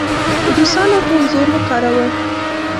روسانو ټول زور وکاراوه.